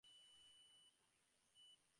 আপনার শ্যালক মহসিন সাহেব, উনিই আপনার নাম বলেছেন।